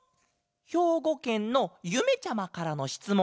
ひょうごけんのゆめちゃまからのしつもんだケロ。